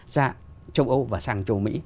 ra châu âu và sang châu mỹ